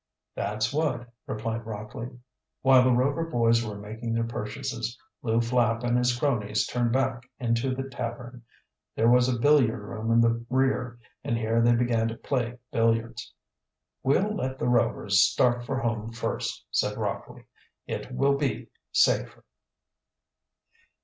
"That's what," replied Rockley. While the Rover boys were making their purchases Lew Flapp and his cronies turned back into the tavern. There was a billiard room in the rear and here they began to play billiards. "We'll let the Rovers start for home first," said Rockley. "It will be safer."